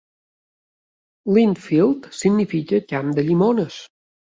Lindfield significa "camp de llimones".